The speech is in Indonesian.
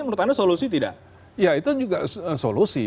menurut anda solusi tidak ya itu juga solusi